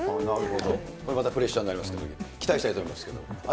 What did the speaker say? これまたプレッシャーになりそうですけれども、期待したいと思います。